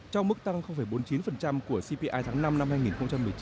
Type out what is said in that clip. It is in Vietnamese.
trong mức tăng bốn mươi chín của cpi tháng năm năm hai nghìn một mươi chín